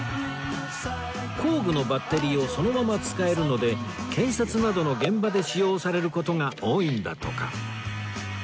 工具のバッテリーをそのまま使えるので建設などの現場で使用される事が多いんだとか